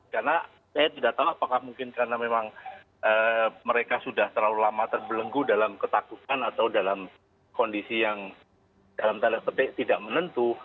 karena saya tidak tahu apakah mungkin karena memang mereka sudah terlalu lama terbelenggu dalam ketakutan atau dalam kondisi yang dalam talian petik tidak menentu